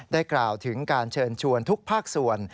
กล่าวถึงการเชิญชวนทุกภาคส่วน